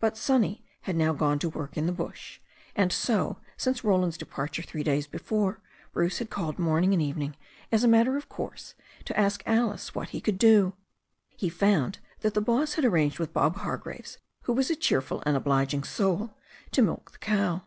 But Sonny had now gone to work in the bush, THE STORY OF A NEW ZEALAND MVER 73 and so, since Roland's departure three days before, Bruce had called morning and evening, as a matter of course, to ask Alice what he could do. He found that the boss had ar ranged with Bob Hargraves, who was a cheerful and oblig ing soul, to milk the cow.